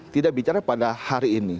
tidak bicara pada hari ini